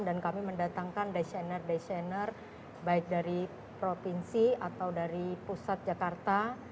dan kami mendatangkan desainer desainer baik dari provinsi atau dari pusat jakarta